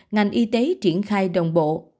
ngành y tế triển khai đồng bộ